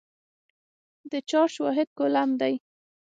د چارج واحد کولم دی.